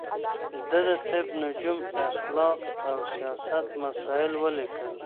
ده د طب، نجوم، اخلاق او سياست مسايل وليکل